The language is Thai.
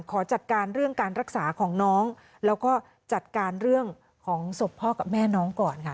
ขอจัดการเรื่องการรักษาของน้องแล้วก็จัดการเรื่องของศพพ่อกับแม่น้องก่อนค่ะ